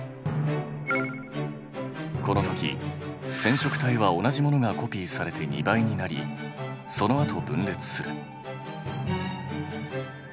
このとき染色体は同じものがコピーされて２倍になりそのあと分裂する。